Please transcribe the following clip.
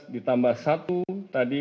dua belas ditambah satu tadi